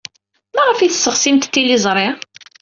Maɣef ay tesseɣsimt tiliẓri?